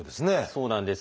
そうなんです。